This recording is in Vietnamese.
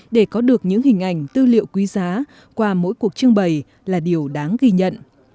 để có được những hình ảnh tư liệu quý giá qua mỗi cuộc trưng bày là điều đáng ghi nhận